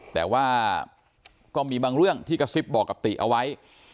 แต่ว่าก็มีบางเรื่องที่กระซิบบอกกับติเอาไว้